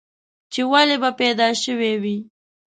چې ولې به پيدا شوی وې؟